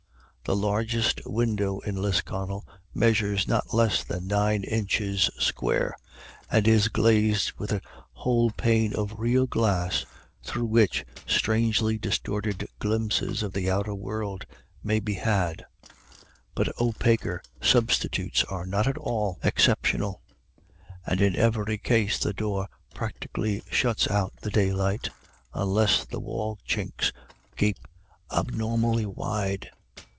The largest window in Lisconnel measures not less than nine inches square, and is glazed with a whole pane of real glass, through which strangely distorted glimpses of the outer world may be had ; but opaquer substitutes are not at all exceptional ; and in every case the door practically shuts out the daylight, unless the wall chinks gape abnorma ly wide.